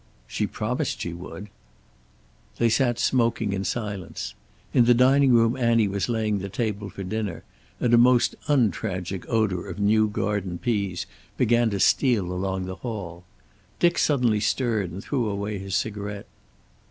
"She promised she would." They sat smoking in silence. In the dining room Annie was laying the table for dinner, and a most untragic odor of new garden peas began to steal along the hall. Dick suddenly stirred and threw away his cigarette.